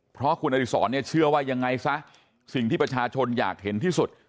เพราะคุณอดิษรเนี่ยเชื่อว่ายังไงซะสิ่งที่ประชาชนอยากเห็นที่สุด